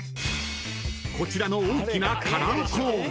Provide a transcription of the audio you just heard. ［こちらの大きなカラーコーン］